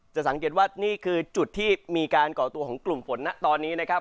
สังเกตว่านี่คือจุดที่มีการก่อตัวของกลุ่มฝนนะตอนนี้นะครับ